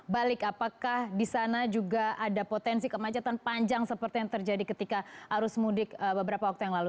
balik apakah di sana juga ada potensi kemacetan panjang seperti yang terjadi ketika arus mudik beberapa waktu yang lalu